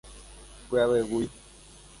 Py'avevúi.